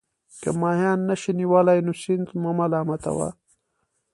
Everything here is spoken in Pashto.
که ماهیان نه شئ نیولای نو سیند مه ملامتوه.